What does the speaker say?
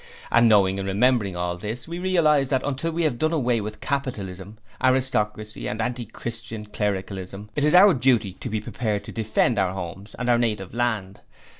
And knowing and remembering all this, we realize that until we have done away with capitalism, aristocracy and anti Christian clericalism, it is our duty to be prepared to defend our homes and our native land.